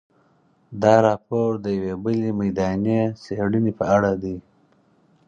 دا راپور د یوې بلې میداني څېړنې په اړه دی.